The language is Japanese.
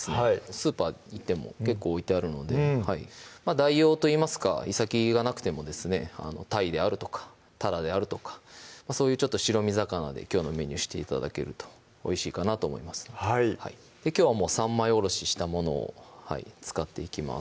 スーパーに行っても結構置いてあるので代用といいますかいさきがなくてもですねたいであるとかたらであるとかそういう白身魚できょうのメニューして頂けるとおいしいかなと思いますのできょうはもう三枚おろししたものを使っていきます